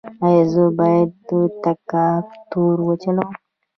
ایا زه باید تراکتور وچلوم؟